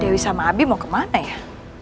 dewi sama abi mau kemana ya